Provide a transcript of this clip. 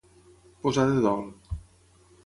Posar de dol.